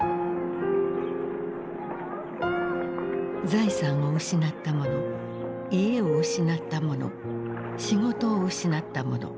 財産を失った者家を失った者仕事を失った者。